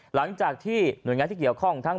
หลังจากที่หน่วยงานที่เกี่ยวข้องทั้ง